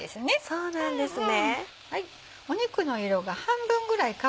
そうなんですね。